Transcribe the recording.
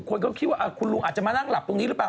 คนก็คิดว่าคุณลุงอาจจะมานั่งหลับตรงนี้หรือเปล่า